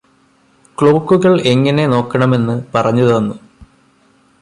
ക്ലോക്കുകള് എങ്ങനെ നോക്കണമെന്ന് പറഞ്ഞു തന്നു